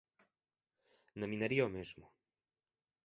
Na minería o mesmo.